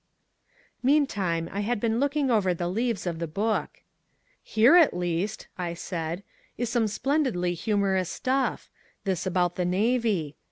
Meantime I had been looking over the leaves of the book. "Here at least," I said, "is some splendidly humorous stuff, this about the navy.